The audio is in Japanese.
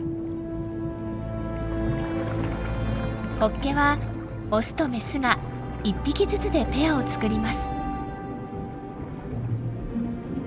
ホッケはオスとメスが１匹ずつでペアを作ります。